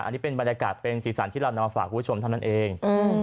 อันนี้เป็นบรรยากาศเป็นสีสันที่เรานำมาฝากคุณผู้ชมเท่านั้นเอง